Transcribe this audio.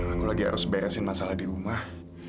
nunggu lagi harus beresin masalah di rumah